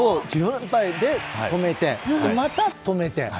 １４連敗で止めて、また止めて。